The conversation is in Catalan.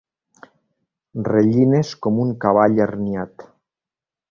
Renilles com un cavall herniat.